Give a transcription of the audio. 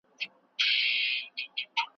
مور او پلار بايد په شکايت کي حکمت وکاروي.